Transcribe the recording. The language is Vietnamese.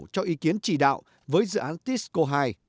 cho ý kiến chỉ đạo với dự án tisco hai